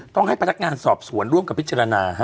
ต้องให้พนักงานสอบสวนร่วมกับพิจารณา